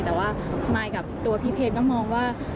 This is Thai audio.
แต่ว่ามายกับตัวพี่เพชรก็มองว่า